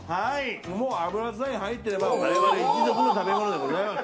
もう脂さえ入ってれば我々一族の食べ物でございます。